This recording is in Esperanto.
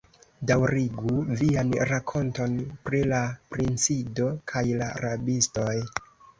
Daŭrigu vian rakonton pri la princido kaj la rabistoj.